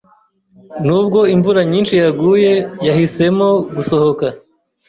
Nubwo imvura nyinshi yaguye, yahisemo gusohoka.